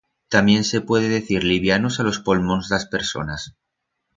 Tamién se puede decir livianos a los polmons d'as personas.